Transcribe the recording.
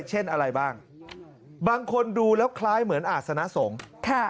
เช่นอะไรบ้างบางคนดูแล้วคล้ายเหมือนอาศนสงฆ์ค่ะ